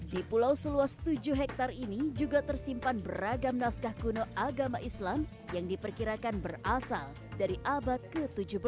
di pulau seluas tujuh hektare ini juga tersimpan beragam naskah kuno agama islam yang diperkirakan berasal dari abad ke tujuh belas